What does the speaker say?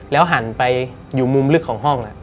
หันไปอยู่มุมลึกของห้อง